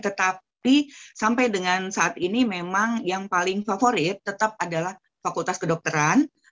tetapi sampai dengan saat ini memang yang paling favorit tetap adalah fakultas kedokteran